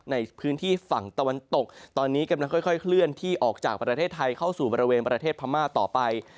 ในพื้นที่ฝั่งตะวันตกตอนนี้กำลังค่อยเคลื่อนที่ออกจากประเทศไทยเข้าสู่บริเวณประเทศพม่าต่อไป